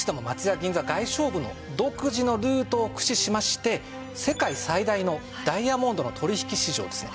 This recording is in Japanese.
銀座外商部の独自のルートを駆使しまして世界最大のダイヤモンドの取引市場ですね